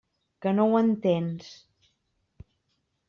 Que no ho entens?